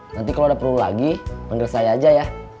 nanti kalo udah perlu lagi panggil saya aja ya